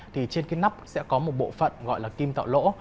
thì trên cái nắp sẽ có một bộ phận gọi là kim tạo lỗ